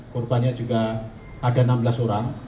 korbannya juga ada enam belas orang